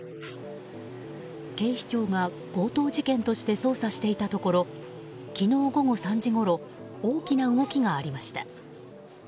警視庁が、強盗事件として捜査していたところ昨日午後３時ごろ大きな動きがありました。